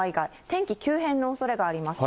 天気急変のおそれがあります。